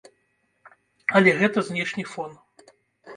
Але гэта знешні фон.